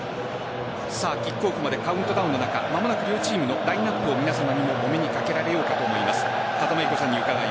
キックオフまでカウントダウンの中間もなく両チームのラインナップを皆さまにお目にかけられようかと思います。